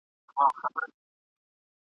د یاجوجو د ماجوجو دېوالونه به نړېږي !.